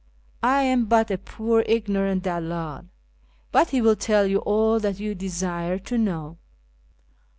I am but a poor ignorant dalldl, but he will tell you all that you desire to know."